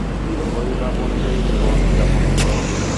ঐ ভাব অনুযায়ী জীবন যাপন কর।